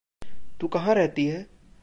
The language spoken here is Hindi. तू कहाँ रहती है?